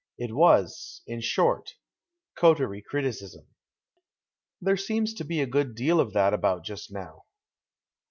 It was, in short, coterie criticism. There seems to be a good deal of that about just now.